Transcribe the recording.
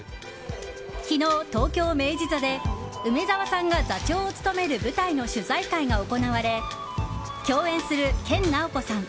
昨日、東京・明治座で梅沢さんが座長を務める舞台の取材会が行われ共演する研ナオコさん